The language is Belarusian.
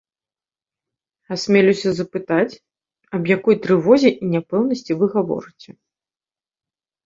Асмелюся запытаць, аб якой трывозе і няпэўнасці вы гаворыце?